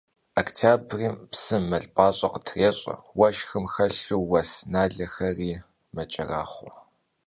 Voktyabrım psım mıl p'aş'e khıtrêş'e, vueşşxım xelhu vues nalhexeri meç'eraxhue.